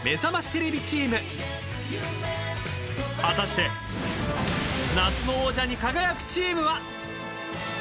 ［果たして夏の王者に輝くチームは？］